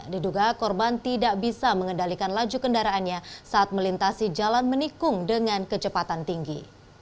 diduga korban tidak bisa mengendalikan laju kendaraannya saat melintasi jalan menikung dengan kecepatan tinggi